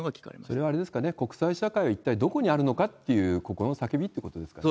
それはあれですかね、国際社会は一体どこにあるのかという心の叫びってことですかね。